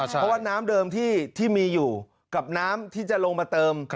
เพราะว่าน้ำเดิมที่มีอยู่กับน้ำที่จะลงมาเติม